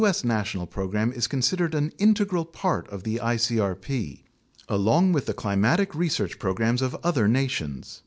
S. national pro gram is considered an integral part of the icrp, along with the climatic research programs of other nations.